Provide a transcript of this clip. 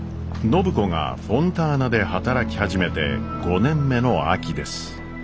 暢子がフォンターナで働き始めて５年目の秋です。